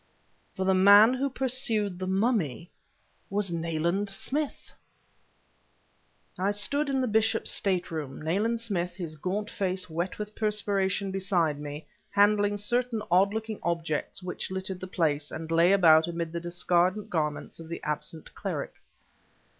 For the man who pursued the mummy was Nayland Smith! I stood in the bishop's state room, Nayland Smith, his gaunt face wet with perspiration, beside me, handling certain odd looking objects which littered the place, and lay about amid the discarded garments of the absent cleric.